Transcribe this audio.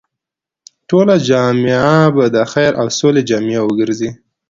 ټوله جامعه به د خير او سولې جامعه وګرځي.